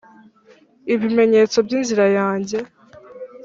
ibimenyetso byinzira yanjye